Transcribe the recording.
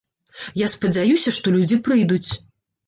Я спадзяюся, што людзі прыйдуць.